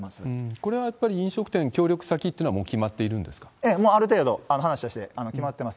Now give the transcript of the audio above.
これはやっぱり飲食店、協力先っていうのはもう決まっているええ、ある程度話として決まってます。